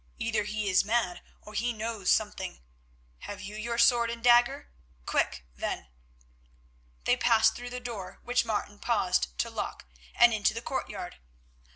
Either he is mad, or he knows something. Have you your sword and dagger? Quick, then." They passed through the door, which Martin paused to lock, and into the courtyard.